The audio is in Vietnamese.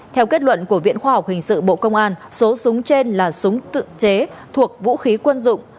theo kết luận của viện khoa học hình sự bộ công an số súng trên là súng tự chế thuộc vũ khí quân dụng